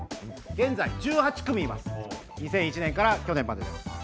現在１８組います、２００１年から去年までです。